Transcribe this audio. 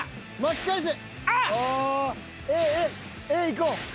Ａいこう。